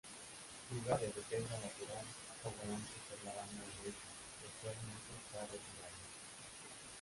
Jugaba de defensa lateral o volante por la banda derecha y actualmente está retirado.